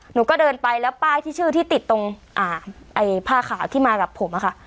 หนูก็เดินไปแล้วป้ายที่ชื่อที่ติดตรงอ่าไอ้ผ้าขาวที่มากับผมอะค่ะ